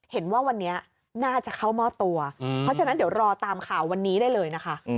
เห็นว่าวันนี้น่าจะเข้ามอบตัวเพราะฉะนั้นเดี๋ยวรอตามข่าววันนี้ได้เลยนะคะ